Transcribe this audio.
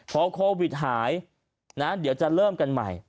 พอโควิดหายนะเดี๋ยวจะเริ่มกันใหม่